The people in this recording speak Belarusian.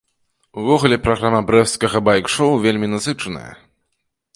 Увогуле праграма брэсцкага байк-шоў вельмі насычаная.